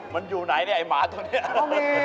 มันอยู่ไหนเนี่ยไอ้หมาตัวนี้